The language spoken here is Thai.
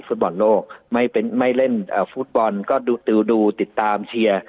ฟุตบอลโลกไม่เป็นไม่เล่นอ่าฟุตบอลก็ดูดูดูติดตามเชียร์